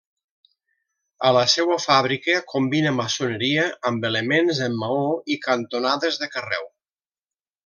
A la seua fàbrica combina maçoneria amb elements en maó i cantonades de carreu.